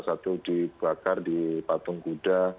satu dibakar di patung kuda